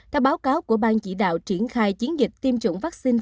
theo báo cáo của ban chỉ đạo triển khai chiến dịch tiêm chủng vaccine